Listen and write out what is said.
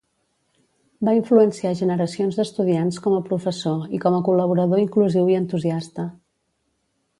Va influenciar generacions d'estudiants com a professor i com a col·laborador inclusiu i entusiasta.